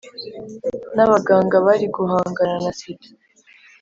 n’abaganga bari guhangana na sida